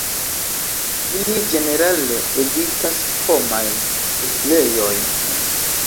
Ili ĝenerale evitas homajn setlejojn.